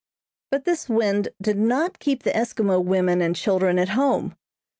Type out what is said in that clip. But this wind did not keep the Eskimo women and children at home.